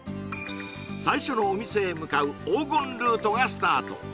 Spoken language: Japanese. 最初のお店へ向かう黄金ルートがスタート